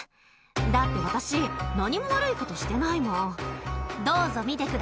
だって、私、何も悪いことしてないもん。